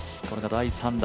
第３打。